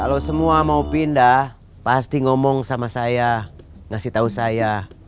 kalau semua mau pindah pasti ngomong sama saya ngasih tahu saya